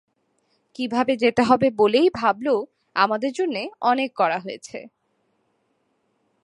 কীভাবে যেতে হবে বলেই ভাবল আমাদের জন্যে অনেক করা হয়েছে।